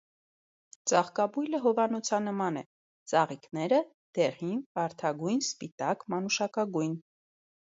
Ծաղկաբույլը հովանոցանման է, ծաղիկները՝ դեղին, վարդագույն, սպիտակ, մանուշակագույն։